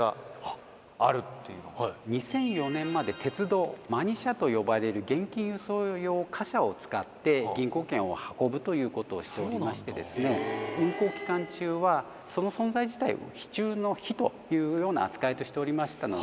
２００４年まで鉄道マニ車と呼ばれる現金輸送用貨車を使って銀行券を運ぶということをしておりまして運行期間中はその存在自体を秘中の秘というような扱いとしておりましたので。